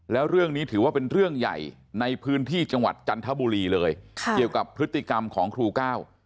แล้วเรื่องนี้ถือว่าเป็นเรื่องใหญ่ในพื้นที่จังหวัดจันทบุรีเลยค่ะเกี่ยวกับพฤติกรรมของครูก้าว